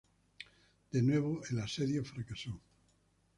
De nuevo, el asedio fracasó.